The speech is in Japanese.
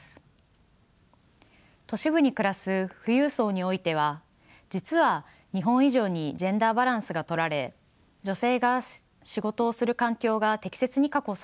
都市部に暮らす富裕層においては実は日本以上にジェンダーバランスがとられ女性が仕事をする環境が適切に確保されています。